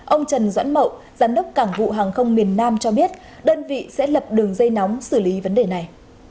ông trần doãn mậu giám đốc cảng vụ hàng không miền nam cho biết đơn vị sẽ lập đường dây nóng xử lý vấn đề này